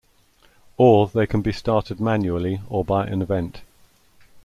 Or, they can be started manually or by an event.